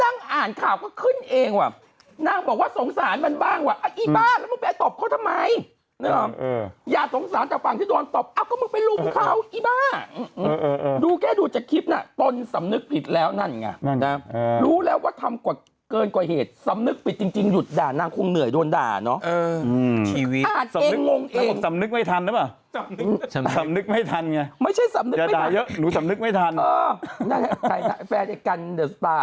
มันก็จะเจ็บหลายนาทีหน่อยเราเอาไว้แล้วไม่ต้องเจ็บเออ